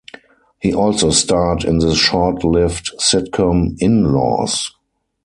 He also starred in the short-lived sitcom "In-Laws".